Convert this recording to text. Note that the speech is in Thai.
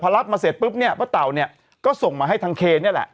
รับมาเสร็จปุ๊บเนี่ยป้าเต่าเนี่ยก็ส่งมาให้ทางเคนี่แหละ